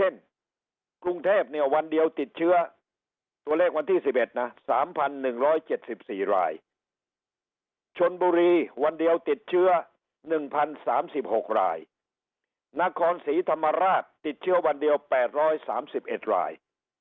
นครสีธรรมราชติดเชื้อวันเดียว๘๓๑ราย